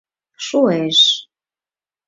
— Шуэш.